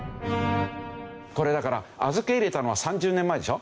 これだから預け入れたのは３０年前でしょ？